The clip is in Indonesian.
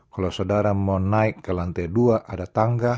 kalau saudara mau naik ke lantai dua ada tangga